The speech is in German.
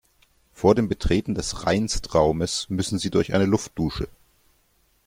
Vor dem Betreten des Reinstraumes müssen Sie durch eine Luftdusche.